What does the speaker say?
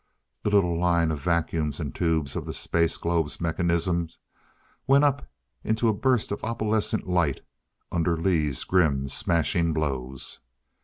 The little line of vacuums and tubes of the space globe's mechanisms went up into a burst of opalescent light under Lee's grim smashing blows.